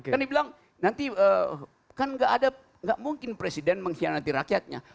kan dibilang nanti enggak ada enggak mungkin presiden mengkhianati rakyatnya